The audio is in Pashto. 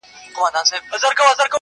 د هغه د ذات او نسب له مخې ارزوئ